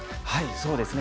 そうですね。